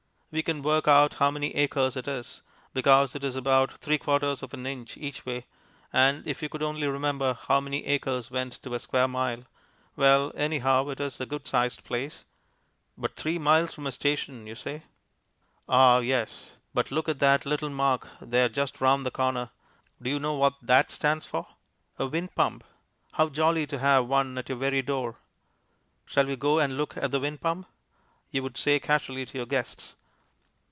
We can work out how many acres it is, because it is about three quarters of an inch each way, and if we could only remember how many acres went to a square mile well, anyhow, it is a good sized place. But three miles from a station, you say? Ah yes, but look at that little mark there just round the corner. Do you know what that stands for? A wind pump. How jolly to have one at your very door. "Shall we go and look at the wind pump?" you would say casually to your guests.